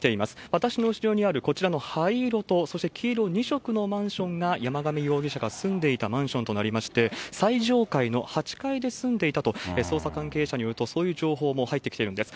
私の後ろにあるこちらの灰色と、そして黄色、２色のマンションが、山上容疑者が住んでいたマンションとなりまして、最上階の８階で住んでいたと、捜査関係者によると、そういう情報も入ってきているんです。